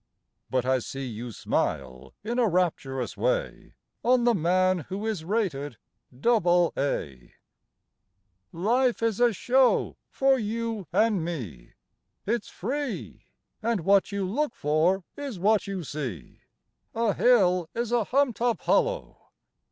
(But I see you smile in a rapturous way On the man who is rated double A.) V. Life is a show for you and me; it's free! And what you look for is what you see; A hill is a humped up hollow.